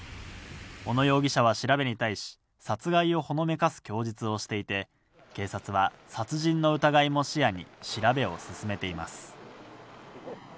小野容疑者は調べに対し、殺害をほのめかす供述をしていて、警察は殺人の疑いも視野に調べを進めています。